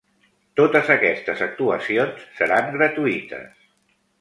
Totes aquestes actuacions seran gratuïtes.